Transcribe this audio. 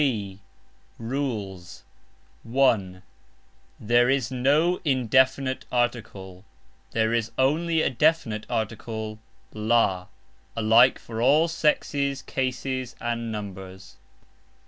B. Rules. (1) There is no indefinite ARTICLE; there is only a definite article ("la"), alike for all sexes, cases, and numbers.